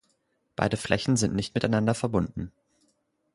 Beide Flächen sind nicht miteinander verbunden.